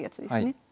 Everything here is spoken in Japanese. はい。